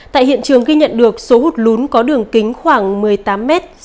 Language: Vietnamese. tại hiện trường ghi nhận được số hụt lún có đường kính khoảng một mươi tám mét